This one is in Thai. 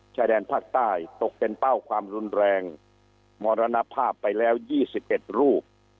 ชายแดนพลักษณ์ใต้ตกเป็นเป้าความรุนแรงมรณภาพไปแล้วยี่สิบเอ็ดรูป